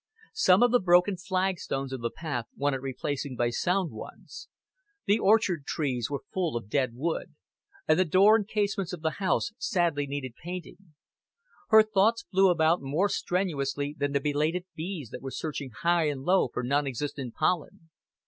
Some of the broken flagstones of the path wanted replacing by sound ones; the orchard trees were full of dead wood; and the door and casements of the house sadly needed painting. Her thoughts flew about more strenuously than the belated bees that were searching high and low for non existent pollen.